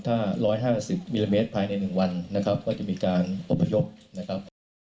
ถ้า๑๕๐มิลลิเมตรภายใน๑วันนะครับก็จะมีการอบพยพนะครับ